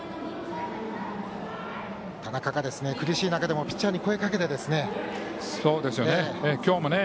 田中が苦しい中でもピッチャーに声をかけていましたね。